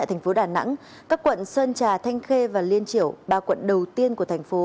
thành khê và liên triểu ba quận đầu tiên của thành phố